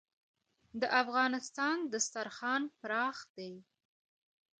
د افغانستان دسترخان پراخ دی